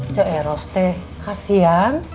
seeros teh kasian